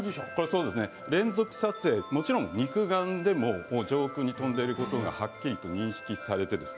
連続撮影、もちろん肉眼でも上空に飛んでいることがはっきりと認識されて